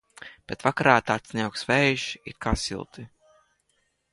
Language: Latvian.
Bet vakarā tāds nejauks vējš, it kā silti.